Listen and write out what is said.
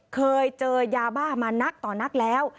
เคยเจอยาบ้ามานักต่อนักแล้ว